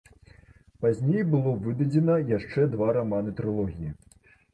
Пазней было выдадзена яшчэ два раманы трылогіі.